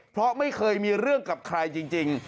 เพราะไม่เคยมีเรื่องกับใครจริง